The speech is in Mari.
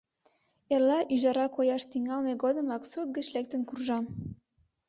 Эрла ӱжара кояш тӱҥалме годымак сурт гыч лектын куржам.